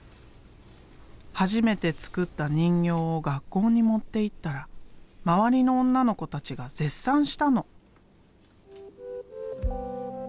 初めて作った人形を学校に持っていったら周りの女の子たちが絶賛したの。